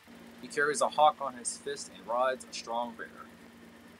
He carries a hawk on his fist and rides a strong bear.